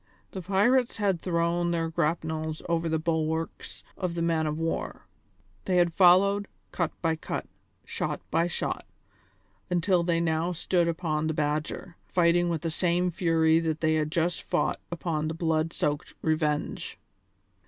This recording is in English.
The pirates had thrown their grapnels over the bulwarks of the man of war; they had followed, cut by cut, shot by shot, until they now stood upon the Badger, fighting with the same fury that they had just fought upon the blood soaked Revenge.